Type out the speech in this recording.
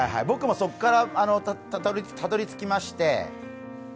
僕もそこからたどり着きまして。